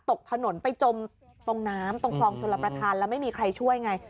ตกถนนไปจมตรงน้ำตรงคลองชลประธานแล้วไม่มีใครช่วยไง